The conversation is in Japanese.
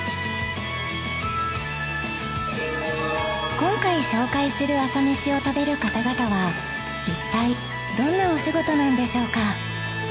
今回紹介する朝メシを食べる方々は一体どんなお仕事なんでしょうか？